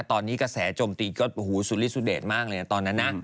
ตอนนี้กระแสโจมตีก็สุริสุเดชมากเลยตอนนั้นนะ